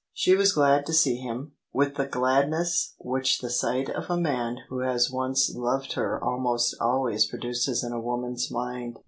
She was glad to see him, with the gladness which the sight of a man who has once loved her almost always produces in a woman's mind.